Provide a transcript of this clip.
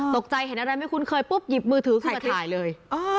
ตกใจเห็นอะไรไม่คุ้นเคยปุ๊บหยิบมือถือขึ้นมาถ่ายเลย